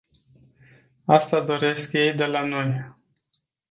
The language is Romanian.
Asta doresc ei de la noi.